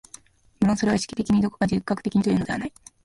無論それは意識的にとか自覚的にとかいうのではない。